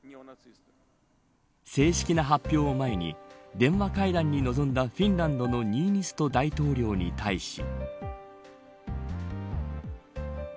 正式な発表を前に電話会談に臨んだフィンランドのニーニスト大統領に対し。